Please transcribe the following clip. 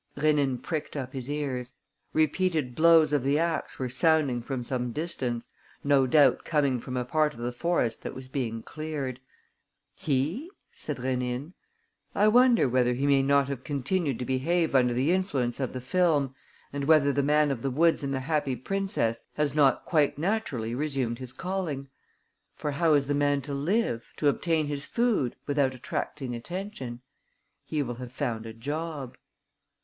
Rénine pricked up his ears. Repeated blows of the axe were sounding from some distance, no doubt coming from a part of the forest that was being cleared. "He?" said Rénine, "I wonder whether he may not have continued to behave under the influence of the film and whether the man of the woods in The Happy Princess has not quite naturally resumed his calling. For how is the man to live, to obtain his food, without attracting attention? He will have found a job."